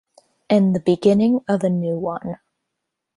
And the beginning of a new one.